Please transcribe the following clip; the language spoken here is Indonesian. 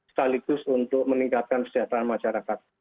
sekaligus untuk meningkatkan kesejahteraan masyarakat